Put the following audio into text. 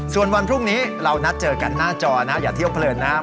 ส่วนวันพรุ่งนี้เรานัดเจอกันหน้าจอนะอย่าเที่ยวเพลินนะครับ